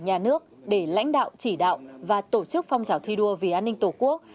nhà nước để lãnh đạo chỉ đạo và tổ chức phong trào thi đua vì an ninh tổ quốc